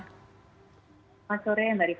selamat sore mbak rika